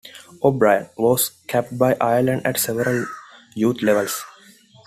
O'Brien was capped by Ireland at several youth levels.